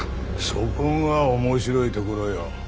そこが面白いところよ。